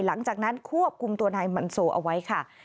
หลังจากนั้นควบคุมตัวนายมันโซเอาไว้ค่ะ